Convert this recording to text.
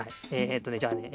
えっとねじゃあね